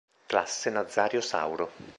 Classe Nazario Sauro